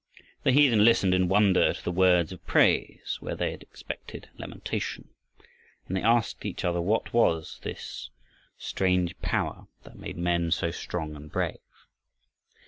The heathen listened in wonder to the words of praise where they had expected lamentation, and they asked each other what was this strange power that made men so strong and brave.